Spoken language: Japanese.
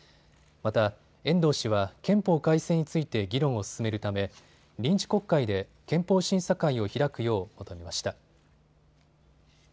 また、遠藤氏は憲法改正について議論を進めるため臨時国会で憲法審査会を開くよう求めました。